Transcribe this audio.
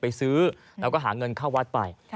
ไปซื้อแล้วก็หาเงินเข้าวัดไป